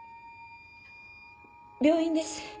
病院です。